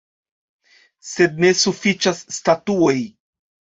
Sed ne sufiĉas statuoj.